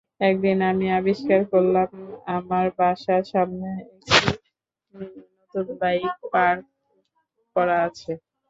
একদিন আমি আবিষ্কার করলাম, আমার বাসার সামনে একটি নতুন বাইক পার্ক করা আছে।